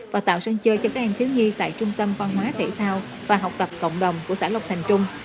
và tạo sân chơi cho các em thiếu nhi tại trung tâm văn hóa thể thao và học tập cộng đồng của xã lộc thành trung